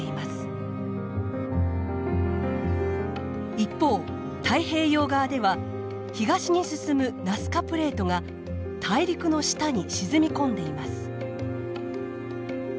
一方太平洋側では東に進むナスカプレートが大陸の下に沈み込んでいます。